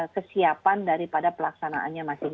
kesiapan daripada pelaksanaannya masing masing